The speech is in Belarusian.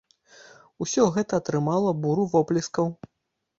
Усё гэта атрымала буру воплескаў.